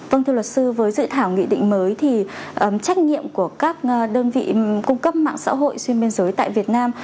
vâng thưa luật sư với dự thảo nghị định mới thì trách nhiệm của các đơn vị cung cấp mạng xã hội xuyên biên giới tại việt nam